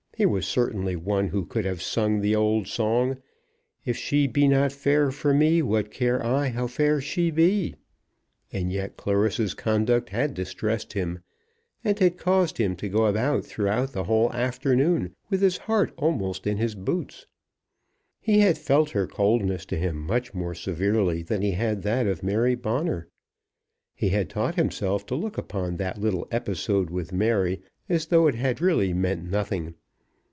He was certainly one who could have sung the old song, "If she be not fair for me, what care I how fair she be." And yet Clarissa's conduct had distressed him, and had caused him to go about throughout the whole afternoon with his heart almost in his boots. He had felt her coldness to him much more severely than he had that of Mary Bonner. He had taught himself to look upon that little episode with Mary as though it had really meant nothing.